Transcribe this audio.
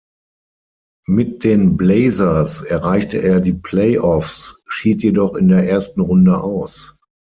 Mit den Blazers erreichte er die Playoffs, schied jedoch in der ersten Runde aus.